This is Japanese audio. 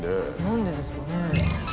何でですかね？